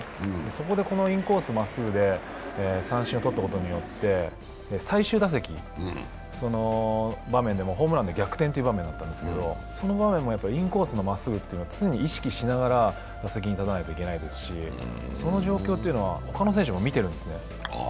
そこでこのインコースまっすぐで三振を取ったことによって最終打席、その場面でもホームランでも逆転という場面だったんですけどその場面もインコースのまっすぐというのは常に意識しながら打席に立たないといけないですしその状況は他の選手も見てるんですね。